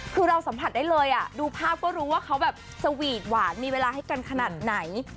คือเราสัมผัสได้เลยดูภาพก็รู้ว่าเขาแบบสวีทหวานมีเวลาให้กันขนาดไหน